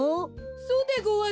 そうでごわす。